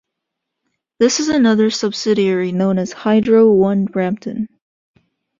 This is another subsidiary known as Hydro One Brampton.